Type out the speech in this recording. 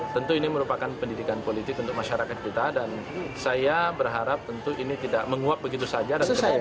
tentu ini merupakan pendidikan politik untuk masyarakat kita dan saya berharap tentu ini tidak menguap begitu saja